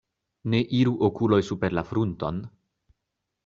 Ne iru okuloj super la frunton.